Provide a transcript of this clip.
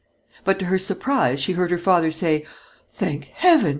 But to her surprise she heard her father say: "Thank heaven!